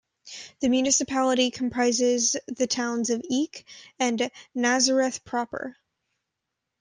The municipality comprises the towns of Eke and Nazareth proper.